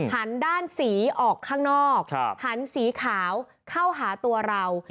หันด้านสีออกข้างนอกหันสีขาวเข้าหาตัวเรา